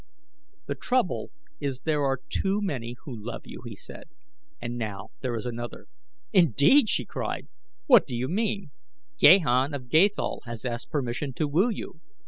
"The trouble is there are too many who love you," he said. "And now there is another." "Indeed!" she cried. "What do you mean?" "Gahan of Gathol has asked permission to woo you."